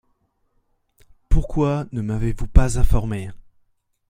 Pourquoi ne m'avez-vous pas informé ?